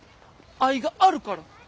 愛があるから。